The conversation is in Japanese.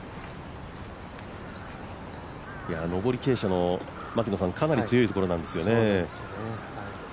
上り傾斜のかなり強いところなんですね。